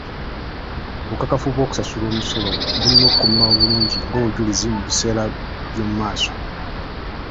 Obukakafu bw'okusasula omusolo bulina kukuumibwa bulungi ng'obujulizi mu biseera by'omumaaso.